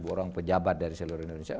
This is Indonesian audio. dua orang pejabat dari seluruh indonesia